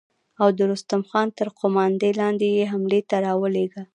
او د رستم خان تر قوماندې لاندې يې حملې ته را ولېږه.